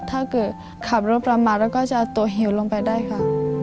ถ้าเกิดขับรถประมาณเราก็จะคล้ามหัวลงไปได้ค่ะ